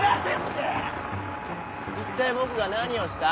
一体僕が何をした？